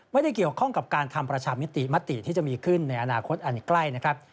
ไม่ได้เกี่ยวข้องกับการทำประชามติมติที่จะมีขึ้นในอนาคตอันใกล้นะครับ